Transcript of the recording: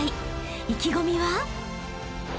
［意気込みは？］